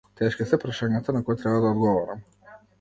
Тешки се прашањата на кои треба да одговорам.